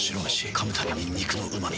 噛むたびに肉のうま味。